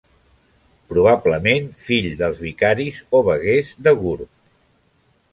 Probablement fill dels vicaris o veguers de Gurb.